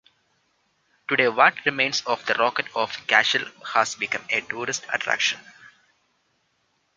Today, what remains of the Rock of Cashel has become a tourist attraction.